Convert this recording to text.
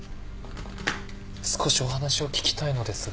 少しお話を聞きたいのですが。